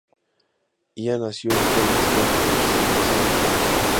Ian nació en Covington, Luisiana.